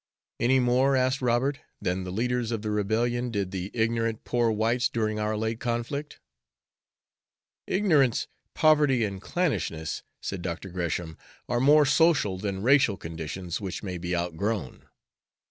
"Any more," asked Robert, "than the leaders of the Rebellion did the ignorant, poor whites during our late conflict?" "Ignorance, poverty, and clannishness," said Dr. Gresham, "are more social than racial conditions, which may be outgrown."